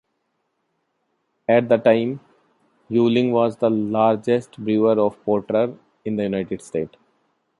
At the time, Yuengling was the largest brewer of porter in the United States.